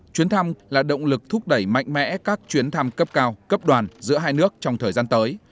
cộng lực thúc đẩy mạnh mẽ các chuyến thăm cấp cao cấp đoàn giữa hai nước trong thời gian tới